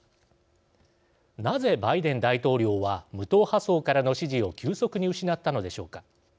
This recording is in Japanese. なぜバイデン大統領は無党派層からの支持を急速に失ったのでしょうか。